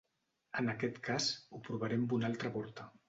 En aquest cas, ho provaré amb una altra porta.